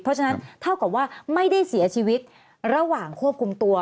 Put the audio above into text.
เพราะฉะนั้นเท่ากับว่าไม่ได้เสียชีวิตระหว่างควบคุมตัว